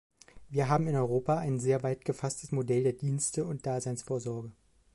Wir haben in Europa ein sehr weit gefasstes Modell der Dienste der Daseinsvorsorge.